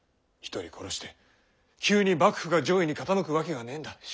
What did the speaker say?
一人殺して急に幕府が攘夷に傾くわけがねぇんだ。